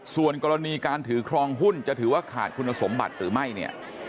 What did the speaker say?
ส่วนกรณีการถือครองหุ้นจะถือว่าขาดคุณสมบัติหรือไม่เนี่ย